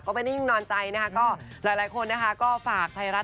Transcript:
ก็ไม่ได้นิ่งนอนใจนะคะก็หลายคนนะคะก็ฝากไทยรัฐ